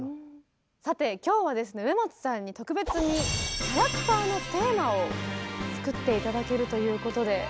さて今日はですね植松さんに特別にキャラクターのテーマを作って頂けるということで。